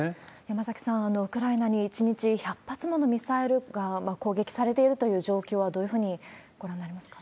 田崎さん、ウクライナに１日１００発ものミサイルが攻撃されているという状況、どういうふうにご覧になりますか？